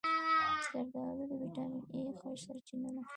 زردآلو د ویټامین A ښه سرچینه ده.